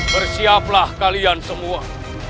bersiaplah kalian semua